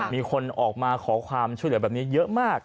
มีคนออกมาขอความช่วยเหลือแบบนี้เยอะมาก